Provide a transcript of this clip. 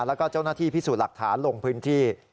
แล้วก็เจ้าหน้าที่พิสูจน์หลักฐานลงพื้นที่